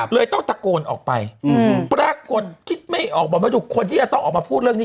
เลยต้องตะโกนออกไปปรากฏคิดไม่ออกบอกไม่ถูกคนที่จะต้องออกมาพูดเรื่องนี้